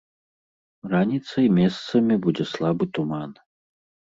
Раніцай месцамі будзе слабы туман.